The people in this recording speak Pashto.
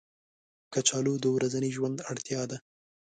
کچالو د ورځني ژوند اړتیا ده